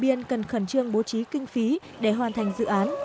biên cần khẩn trương bố trí kinh phí để hoàn thành dự án